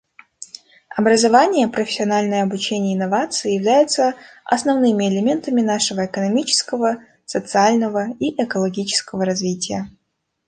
Образование, профессиональное обучение и инновации являются основными элементами нашего экономического, социального и экологического развития.